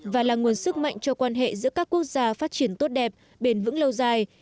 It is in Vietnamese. và là nguồn sức mạnh cho quan hệ giữa các quốc gia phát triển tốt đẹp bền vững lâu dài